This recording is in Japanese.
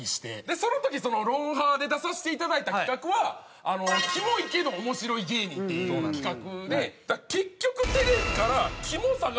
その時『ロンハー』で出させていただいた企画はキモイけど面白い芸人っていう企画で。